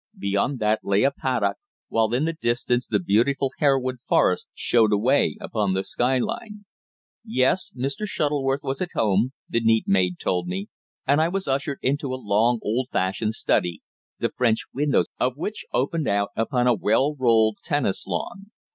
Beyond that lay a paddock, while in the distance the beautiful Harewood Forest showed away upon the skyline. Yes, Mr. Shuttleworth was at home, the neat maid told me, and I was ushered into a long old fashioned study, the French windows of which opened out upon a well rolled tennis lawn.